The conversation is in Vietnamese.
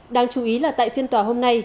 đáng chú ý là tại phiên tòa hôm nay